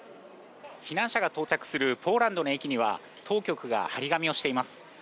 避難者が到着するポーランドの駅には当局が貼り紙をしています。